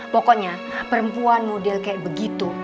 pokoknya perempuan model kayak begitu